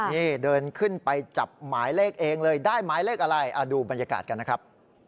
นี่เดินขึ้นไปจับหมายเลขเองเลยได้หมายเลขอะไรดูบรรยากาศกันนะครับ